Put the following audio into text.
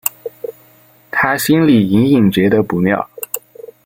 她心里隐隐觉得不妙